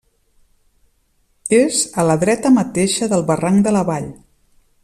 És a la dreta mateixa del barranc de la Vall.